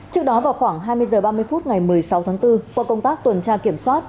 trước đó vào khoảng hai mươi h ba mươi phút ngày một mươi sáu tháng bốn qua công tác tuần tra kiểm soát